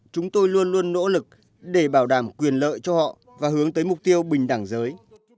chúng tôi luôn luôn nỗ lực để bảo đảm quyền lợi cho họ và hướng tới mục tiêu bình đẳng giới